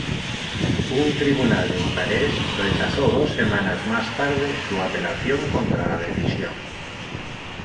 Un tribunal de Bucarest rechazó dos semanas más tarde su apelación contra la decisión.